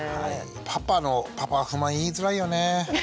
パパのパパは不満言いづらいよね。